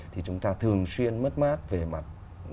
thì chúng ta thường xuyên mất mát về mặt